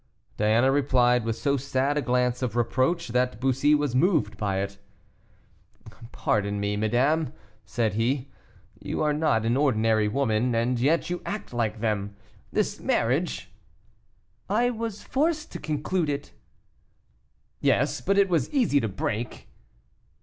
Diana replied with so sad a glance of reproach, that Bussy was moved by it. "Pardon, madame," said he; "you are not an ordinary woman, and yet you act like them. This marriage " "I was forced to conclude it." "Yes, but it was easy to break."